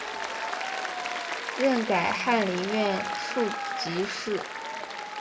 任改翰林院庶吉士。